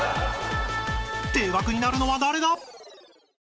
［停学になるのは誰だ？］